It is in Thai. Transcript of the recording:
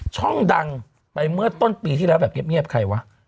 ช่องดังไปเมื่อต้นปีที่แล้วแบบเงียบใครวะ